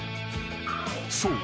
［そう。